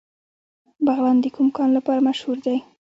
بغلان د کوم کان لپاره مشهور دی؟